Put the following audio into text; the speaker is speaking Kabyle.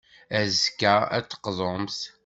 Azekka, ad d-teqḍumt.